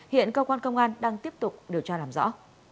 hiện cơ quan công an đang tiếp tục điều tra làm rõ